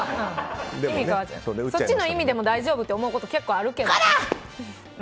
そっちの意味でも大丈夫？って思うこと結構あるけど。